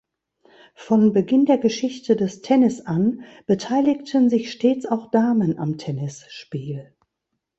Von Beginn der Geschichte des Tennis an beteiligten sich stets auch Damen am Tennisspiel.